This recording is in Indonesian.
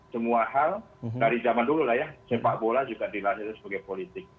semua hal dari zaman dulu lah ya sepak bola juga dilahirkan sebagai politik